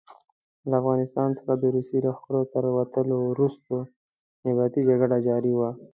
له افغانستان څخه د روسي لښکرو تر وتلو وروسته نیابتي جګړه جاري وه.